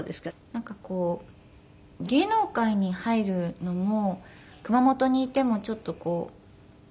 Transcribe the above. なんかこう芸能界に入るのも熊本にいてもちょっとこう。